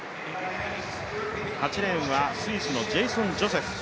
８レーンはスイスのジェイソン・ジョセフ。